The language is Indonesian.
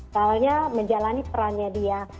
soalnya menjalani perannya dia